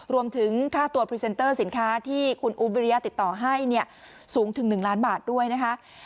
รวมถึงค่าตัวพรีเซนเตอร์สินค้าที่คุณอุ๊บวิริยะติดต่อให้สูงถึง๑ล้านบาทด้วยนะคะ